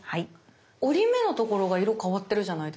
折り目のところが色変わってるじゃないですか。